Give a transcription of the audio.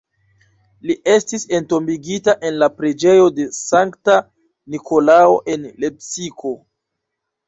Li estis entombigita en la Preĝejo de Sankta Nikolao, en Lepsiko.